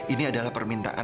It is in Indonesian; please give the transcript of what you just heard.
ini adalah permintaan